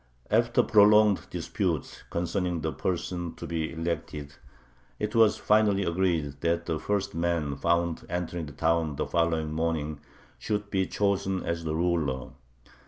After prolonged disputes concerning the person to be elected, it was finally agreed that the first man found entering the town the following morning should be chosen as the ruler.